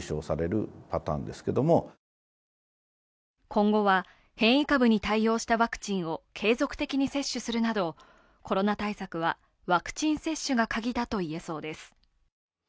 今後は変異株に対応したワクチンを継続的に接種するなどコロナ対策はワクチン接種がカギだと言えそうです。